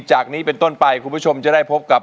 จากนี้เป็นต้นไปคุณผู้ชมจะได้พบกับ